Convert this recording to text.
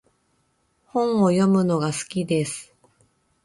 本を読むのが好きです。